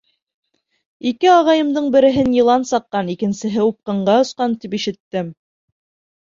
Ике ағайымдың береһен йылан саҡҡан, икенсеһе упҡынға осҡан тип ишеттем.